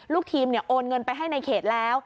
ลูกทีมโอนเงินไปให้ในเขตแล้ว